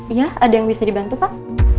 iya ada yang bisa dibantu pak